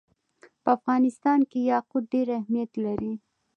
په افغانستان کې یاقوت ډېر اهمیت لري.